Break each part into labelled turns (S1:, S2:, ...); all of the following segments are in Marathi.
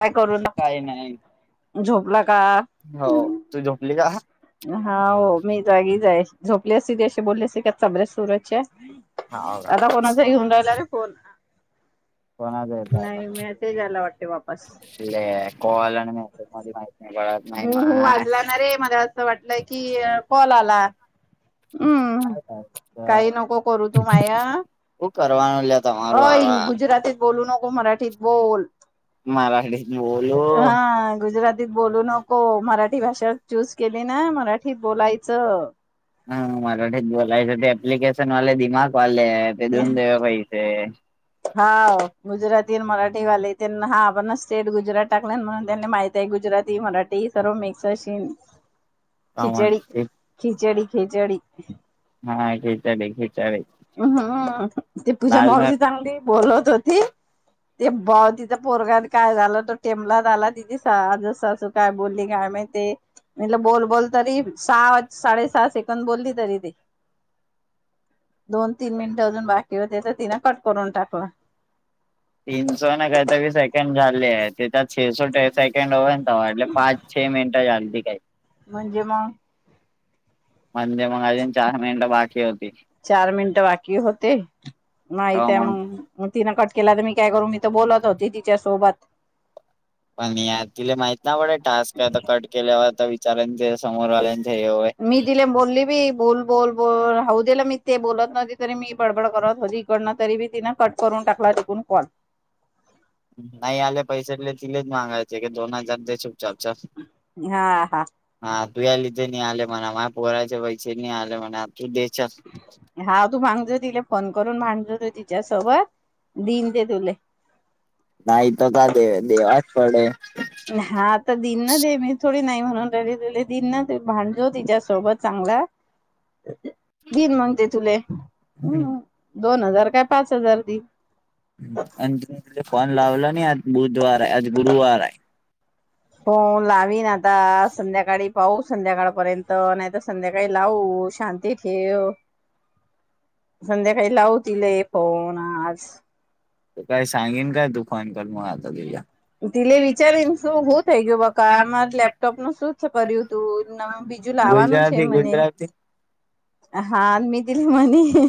S1: काय करू नका,
S2: काही नाही
S1: झोपला का?
S2: हो, तू झोपली का?
S1: हा हो, मी जागीच आहे, झोपली असती तर अशी बोलली असती का? चबर्या सुरच्या
S2: हाव का?
S1: आता कोणाचा येऊन राहिला रे फोन?
S2: कोणाचा आहे काय
S1: नाही
S2: माहीत?
S1: मेसेज आला वाटते वापस
S2: कॉल आणि मेसेजमध्ये माहिती नाही [unintelligible]
S1: हू हू,
S2: मार.
S1: वाजला ना रे, मला असं वाटलं की कॉल आला. हम्म! काही नको करू तू माया
S2: तू करवानोले
S1: अ गुजरातीत बोलू नको, मराठीत बोल.
S2: मराठीत बोलो.
S1: हा गुजरात तीत बोलू नको मराठी भाषा चूज केली ना मराठीत बोलायचं.
S2: ह मराठीत बोलायच ते एप्लिकेशन वाले दिमाखवाले ये ते देऊन देव पैसे
S1: हाव गुजराती आणि मराठीवाले त्यांन हा आपण स्टेट गुजरात टाकले म्हणून त्यांनी माहित ते गुजराती मराठी सर्व मिक्स अशीन खिचडी खिचडी खिचडी
S2: म हाय खिचडी खिचडी
S1: अहं ती पूजा
S2: दाल में
S1: मावशी चांगली बोलत होती. ते भा तिथं पोरगात काय झालं तो टेंमलात आला तिजी सा आजसासू काय बोलली काय माहिती म्हटलं बोल बोल तरी सहा साडे सहा सेकंद बोलली तरी ती दोन तीन मिनिटं अजून बाकी होते त तिनं कट करून टाकला.
S2: तीन सो ना कायतरी सेकंड झालेत ते त्यात छे सो सेकंड होईन तवा ह्यातले पाच छे मिनिटं झालती काय
S1: म्हणजे म
S2: [unintelligible] चार मिनिटं बाकी होती.
S1: चार मिनिट बाकी होते. माहित
S2: तवा
S1: हाय
S2: मग
S1: मंग म तिनं कट केला तर मी काय करू मी तर बोलत होते तिच्या सोबत
S2: पण या तिला माहित ना पड टास्क आता कट केल्यावर आता विचारेंन तिला समोर वाल्यांच हे होय.
S1: मी तिले बोलली बी बोल बोल बोल हाऊदे मी ते बोलत नव्हती तरी मी बडबड करत होती. हिकडन तरी बी तिनं कट करून टाकला टिकून कॉल.
S2: नाय आले पैसे ले तिलेच मागांयचे क दोन हजार दे चुपचाप चल
S1: हा हा
S2: हा तू या लि ते ली आले म्हणा माया पोराचे पैसे नी आले म्हणा तू दे चल
S1: हा तू मांग जा तिले फोन करून मांग जा तू तिच्यासोबत दिईन ते तुले
S2: नाय त का दे देवाच पडे
S1: हा आता दिन न दे मी थोडी नाय म्हणून राहिली तुले दिन ना भांड जो तिच्यासोबत चांगला [unintelligible] देईन मंग ती तुले अम्मं दोन हजार काय पाच हजार दिन
S2: आणि तुम्ही तिले फोन लावला नी आज बुधवाराय आज गुरुवाराय
S1: [inaudible] हो लावीन आता संध्याकाळी पाहू संध्याकाळपर्यंत नायत संध्याकाळी लावू शांत ती ठेव संध्याकाळी लावू तिले फोन आज
S2: तू काय सांगिन काय तु फोन कर म आता तिला
S1: तिले विचारीन
S2: गुजराती
S1: [unintelligible]
S2: गुजराती
S1: [unintelligible] हा आणि मी तीली म्हणीन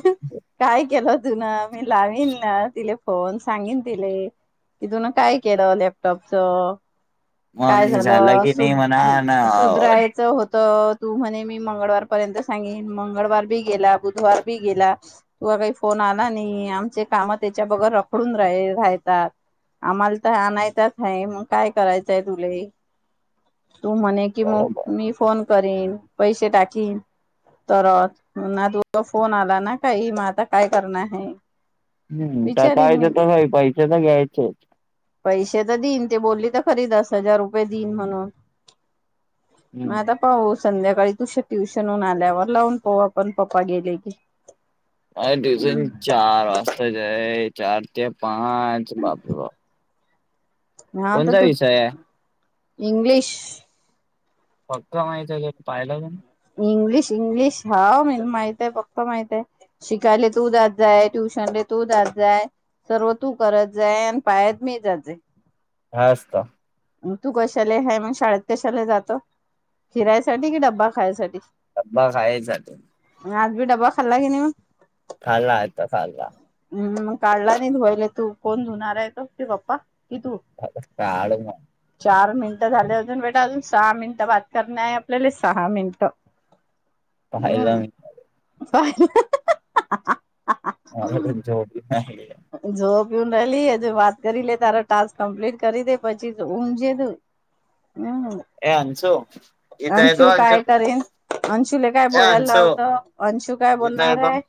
S1: काय केलंत धून मी लावीन न तिले फोन सांगेन तिले की तुन काय केलं लॅपटॉपच. काय
S2: मग झाला
S1: झालं
S2: की
S1: सु
S2: नाही म्हणा ना
S1: सुधरायचं होत तू म्हणे मी मंगळवारपर्यंत सांगिन मंगळवार बी गेला बुधवार बी गेला तुआ काय फोन आला नाही आमचे काम त्याच्या बगर रखडून राय रायतात. आम्हाला त आणायचाच हाय म काय कराय चं तुले, तू म्हणे की मग
S2: बरोबर
S1: मी फोन करीन पैसे टाकीन. तर ना तुझ फोन आला ना काही मग आता काय करणार आहे.
S2: हम्म तर
S1: विचारीन
S2: कायच
S1: मी ते
S2: तसही पैसे तर घ्यायचेच.
S1: पैसे तर देईन ते बोलली तर खरी दस हजार रुपये देईन म्हणून
S2: हम्म
S1: मग आता पाहू संध्याकाळी तुझ्या ट्युशन होऊन आल्यावर लावून पाहू पण पप्पा गेले की
S2: अ ट्यूशन चार वाजताच चार ते पाच बाप बापरे
S1: हा तर
S2: कोणता
S1: तू
S2: विषय आहे
S1: इंग्लिश
S2: फक्क माहिती आहे पाहिलं पण
S1: इंग्लिश इंग्लिश हा म माहितय फक्त माहित आहेय. शिकायला तू जात जाय ट्युशनले तू जात जाय सर्व तू करत जा आणि बाहेर मी जात जाय
S2: काय असतं.
S1: तू कशाला हाय शाळेत कशाला जातो फिरायसाठी कि डब्बा खायसाठी
S2: डबा खायाच
S1: मग आज बी डबा खाल्ला कि नाही मग?
S2: खाल्ला आता खाल्ला
S1: हम्म काढला नाही धुवायला तू कोण धुणार आहे तुमचे पप्पा कि तु
S2: बष्ट आळ म [unintelligible]
S1: चार मिनिटं झाल्या अजून बेटा अजून सहा मिनिटं बात करणे आहे आपल्याला सहा मिनिटं हम्म
S2: पाहिलं मी अ [unintelligible]
S1: झोप येऊन नलीिज वाात कर ल तारा टास्क कम्प्लीट कर दे प उमजे त [unintelligible] हम्म
S2: ए अंशु इथं
S1: अंशू
S2: येतो अंशु
S1: काय करेन अंशूले काय
S2: ए
S1: बोलायला
S2: अंशु
S1: लावतं अंशू काय
S2: इथं
S1: बोलणार
S2: येतो
S1: आहे.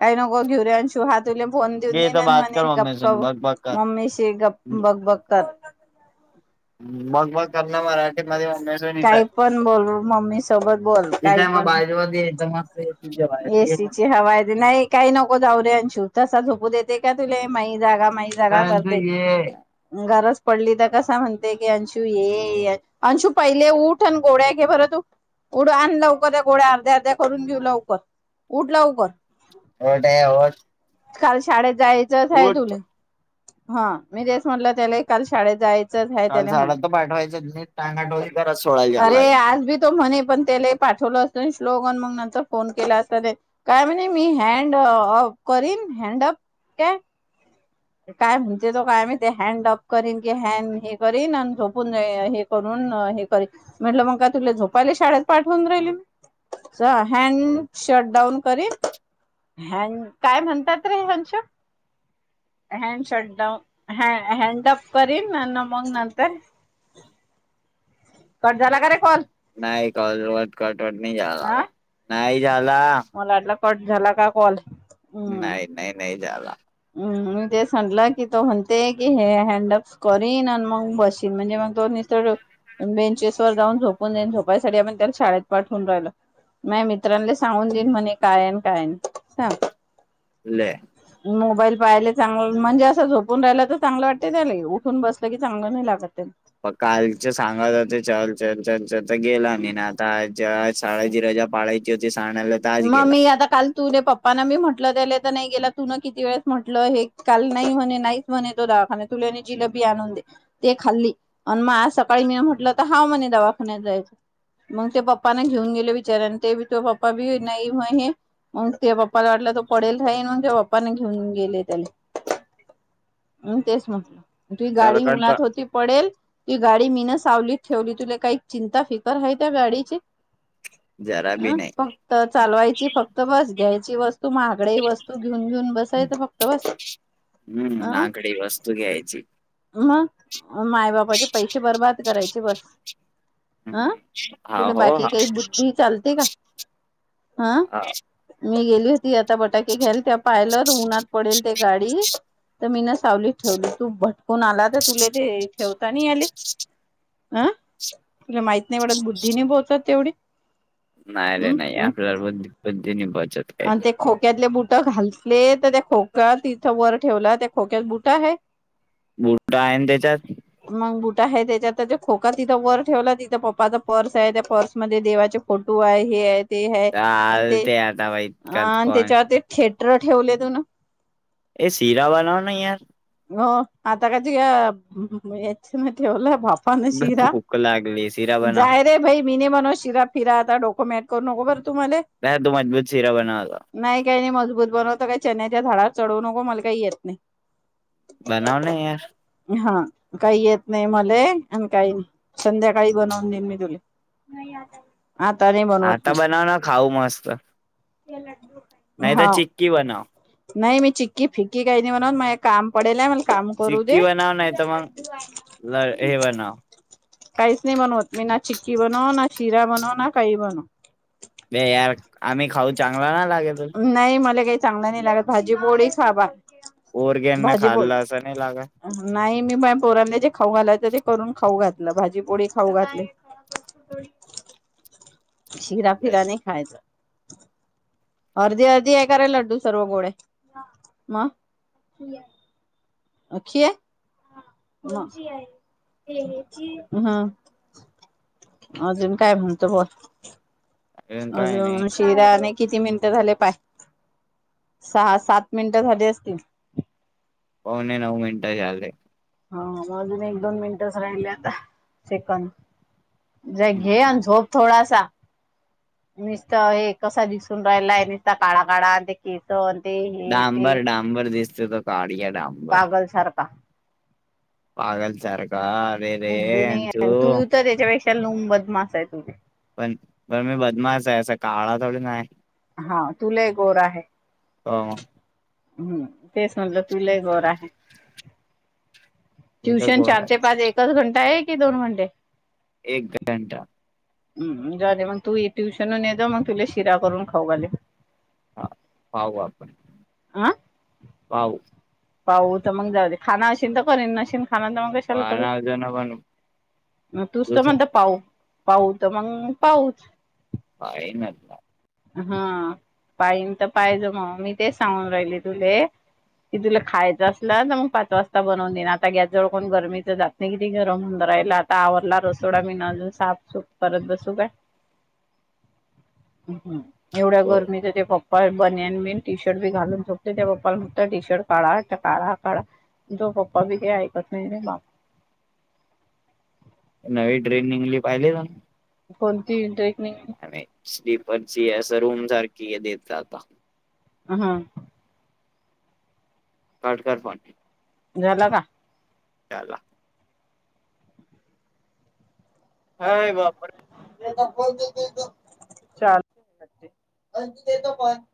S1: काही नको घेऊ अनशु हातुरे फोन
S2: ये
S1: जुनन
S2: इथं बात
S1: म्हणे
S2: कर
S1: गप
S2: मम्मी सून
S1: गप
S2: बघ बघ कर
S1: मम्मी श गप बग बग कर [unintelligible]
S2: बघ बघ करणं मराठी मध्ये मम्मी सून इथं
S1: काही पण बोलू मम्मी सोबत बोल
S2: आहे इथं
S1: काही
S2: आहे मग
S1: पण
S2: बाजूमध्ये इथं मस्त ये तुझ्या बाजूला ये ना.
S1: एसीची हवा आहे ते नाही काही नको जाऊ रे अंशू तसा झोपू देते का तुला माही जागा माही जागा
S2: ए अंशु
S1: करते.
S2: ये
S1: गरज पडली तर कसा म्हणते की अंशू ये अंशू पहिले ऊठ आणि गोळ्या घे बरं तु ऊठ आण लवकर त्या गोड्या अर्ध्या अर्ध्या करून घेऊ लवकर उठ लवकर
S2: होटय हो [unintelligible]
S1: काल शाळेत जायचंच आहे तुले हा मी तेच म्हटलं त्याला काल शाळेत जायचं
S2: काल
S1: त्याने म्ह
S2: झाडात तर पाठवायचं नीट टांगाटोळी करत सोडायला झाला
S1: अरे आज बी [unintelligible] तो म्हणे पण त्याला पाठवलं असे श्लोकगन मग त्यांचा फोन केला असेल. काय म्हणे मी हॅड अप करीन हॅड अप काय काय म्हणते तो का आम्ही ते हँड अप करीन की हॅड हे करीन आणि झोपून हे करून हे कर म्हटलं मग काय तुला झोपायला शाळेत पाठवून राहिली मी हॅड शट डाऊन करीश हॅन्ड काय म्हणतात रे अनशु had shut down head up करीन मग नंतर कट झाला का रे कॉल?
S2: नाही कलवट कटवट नाही झाला
S1: हा
S2: का नाही झाला [unintelligible]
S1: मला वाटलं कट झाला का कॉल. हम्म
S2: नाही नाही नाही जाला.
S1: हम्म मी ते म्हटल की तो म्हणते की हे हॅडअप्स करीन आणि मग बसीन. म्हणजे मग तो बेंचेस वर जाऊन झोपून येईन. झोपायसाठी आपण त्याला शाळेत पाठवून राहिलो. माहे मित्रांले सांगून देईन म्हणे, काय आहे आणि काय नाही. सांग
S2: ले
S1: मोबाईल पाहिले चांगल म्हणजे अस झोपून राहिला तर चांगल वाटत त्याले. उठून बसल की चांगल नाही लागत त्याले.
S2: मग कालच सांगात होते चल चल चल तर गेला नाही. आता आज शाळाची रजा पाळायची होती शण्याला.
S1: म मी आता काल तू ले पप्प पना मी म्हटल त्याले तर नाही गेला तुन किती वेळेस म्हटल हे काल नाही म्हणे नाही. म्हण येतो दवाखान्यात. तुने जिलेबी आणून दे. ते खाल्ली. आणि मग आज सकाळी मी म्हटल ता हाव म्हणे दवाखान्यात जायच. मग ते पप्पांना घेऊन गेले विचाराने ते बी तुझे पप्पा बी नाही म हे म तुझ्या पप्पाला वाटल तो पडेल राहील मग तुझे पप्पा पप्पांना घेऊन गेले त्याले. तेच ना. तुही
S2: तर
S1: गाडी
S2: कडता
S1: उन्हात होती पडेल. तीही गाडी मीन सावलीत ठेवली. तुला काही चिंता फिकर आहे त्या गाडीची.
S2: जरा बी
S1: अ
S2: नाही.
S1: फक्त चालवायची फक्त बस. घ्यायची वस्तू महागडी वस्तू घेऊन घेऊन बसायच फक्त बस. [inaudible]
S2: हम्म
S1: अं
S2: आकडी वस्तू घे
S1: मग मायबापाचे पैसे बर्बाद करायचे बस. हा
S2: हा
S1: तुले
S2: हो
S1: बाकी
S2: हा
S1: काही बुद्धी चालते का? ह
S2: हा
S1: मी गेली होती आता बटाके ते घ्याल तेव्हा पाहिल तर उन्हात पडेल ते गाडी. तर मी ना सावलीत ठेवली. तू भटकून आला तर तुला ते ठेवता नाही आली. हं तुला माहित नाही वाटत, बुद्धी नाही पोहोचत तेवढी.
S2: नाही रे नाही.
S1: हम्
S2: आपल्याला बुद् बुद्धी नाही पोहचत.
S1: आणि ते खोक्यातले बुट घालले तर त्या खोक्यात तिथ वर ठेवला त्या खोक्यात बुटा आहे.
S2: काय आहे अन त्याच्यात.
S1: मग बुट आहे त्याच्यात. त्या खोका तिथ वर ठेवलाय तिथ पप्पाचा पर्स आहे. त्या पर्समध्येध्ये देवाचे फोटो आहे. हे आहे. ते आहे. आणि ते
S2: चालते आता बाई
S1: अ
S2: इतकात
S1: आणि
S2: कोण
S1: त्याच्यावर ते थिएटर ठेवलत म्हण.
S2: ए शीरा बनव ना यार.
S1: हो आता काय याची ना ठेवला बाप अण शिरा जायरे बई मी नही बनवत शिरा फिरा. आता डोको मेंट करू नको बर तु माले.
S2: नाही तु मजबूत सीरा बनवला.
S1: नाही काही नाही मजबूत बनवत. काही चन्याच्या झाडार चढवू नको. मला काही येत नाही.
S2: बनव ना यार.
S1: हा काही येत नाही मले. आणि काही नाही. संध्याकाळी बनवून देईन मी तुले. आता नाही बनवत मी.
S2: हा ना खाऊ मस्त. नाही तर
S1: हा
S2: चिक्की बनव.
S1: नाही मी चिक्की फिक्की काही नाही बनवत. मा काम पडेल आहे. मले काम करू दे. काहीच नाही बनवत मी ना चिक्की बनव ना शिरा बनव ना काही बनव
S2: बे यार आम्ही खाऊ चांगला ना लागेत
S1: नाही मला काय चांगला नाही लागत भाजी-पोळी सार-भात
S2: पोरग्यांना खाल्लं असं नाही लागत
S1: नाही मी माया पोरांने जे खाऊ घालायचं ते करून खाऊ घातलं भाजी-पोळी खाऊ घातले शिरा
S2: बे,
S1: फिरा नाही खायच अर्धी अर्धी आहे का रे लड्डू सर्व गोळे म अखि हा [unintelligible] अजून काय म्हणते बुवा
S2: काय नाही
S1: अजून ते वायरणे किती मिनिटं झाले पहा सहा सात मिनिटं झाली असतील
S2: पावने नऊ मिनटं झाले
S1: हा अजून एक दोन मिनिटच राहिले आता सेकंद ज
S2: हम्म.
S1: घे अन झोप थोडासा नुसत हे कसा दिसून राहिलाय नुसता काळा काळा आणि ते केस आणि ते हे ते
S2: शंभर दिसतोय का काडिया डाम
S1: पागल सारखा
S2: पागल सारखा अरे रे
S1: बुद्धी
S2: अंशु
S1: नाही तू तर त्याच्यापेक्षा लोंबद मासा आहे तु
S2: पण पण मी बदमास आहे काळा थोडी नाही
S1: हा तु लई गोरा आहे
S2: हो
S1: हम्म तेच म्हणलं तु लई गोरा आहे
S2: मी तर
S1: ट्युशन
S2: गोड
S1: चार ते
S2: आहे
S1: पाच एकच घंटा आहे कि दोन घंटे?
S2: एक घंटा
S1: हम् झाले मग तू ट्युशनून ये जा मग तुला शिरा करून खाऊ घाले
S2: हा हा बाप्पा
S1: आं
S2: पाव
S1: पाऊ तर मग झाले खाणार अशील तर करेन नशीन खानार तर मग
S2: पाळणा जयना म्हणू
S1: मग तूच तर म्हणतो पाहु पाहू तर मग पाहूच
S2: [unintelligible]
S1: हा पाईन तर पाहिज मग मी तेच सांगून राहिले तुले की तुला खायचं असला तर मग पाच वाजता बनवून देणार आता गॅस जवळ कोण गरमीच जात नाही किती गरम हो राहिला तावरला रसोडा मीन अजून साफ सुफ परत बसू काय? हम् हम एवढ्या
S2: हो
S1: गर्मीच त्ये पप्पा बन्यान बिन, टी शर्ट बी घालून झोपतय, त्या पप्पा नुसतं टी शर्ट काढा, काढा. तुझा 'पपा बी ऐकत नाही नी बघ.
S2: नवी ट्रेनिंगली पाहिले का?
S1: कोणती इटरनिंग?
S2: आणि, स्लीपरची असं रूम सारखी देतात.
S1: ह, हां.
S2: कट कर फोन.
S1: झाला का?
S2: याला
S1: आय
S2: हाय बापा
S1: बापरे! [unintelligible]